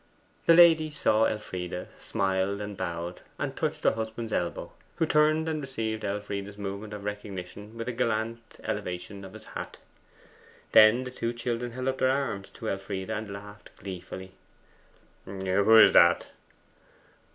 The lady saw Elfride, smiled and bowed, and touched her husband's elbow, who turned and received Elfride's movement of recognition with a gallant elevation of his hat. Then the two children held up their arms to Elfride, and laughed gleefully. 'Who is that?